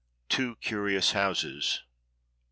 TWO CURIOUS HOUSES I.